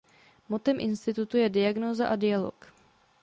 Mottem institutu je „Diagnóza a dialog“.